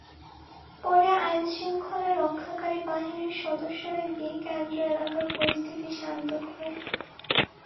পরে আইনশৃঙ্খলা রক্ষাকারী বাহিনীর সদস্যরা গিয়ে কেন্দ্র এলাকার পরিস্থিতি শান্ত করেন।